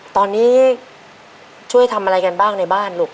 ตอนนี้ช่วยทำอะไรกันบ้างในบ้านลูก